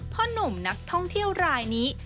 หนุ่มนักท่องเที่ยวรายนี้